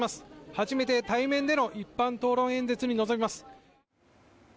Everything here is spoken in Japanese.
初めて対面での一般討論演説に臨みます。